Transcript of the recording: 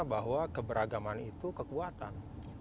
bahwa keberagaman itu kekuatan